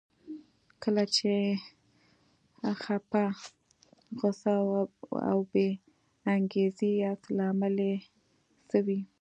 کله چې خپه، غوسه او بې انګېزې ياست لامل يې څه وي؟